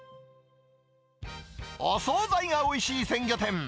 お総菜がおいしい鮮魚店。